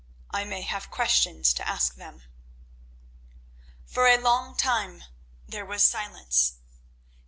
"I may have questions to ask them." For a time there was silence.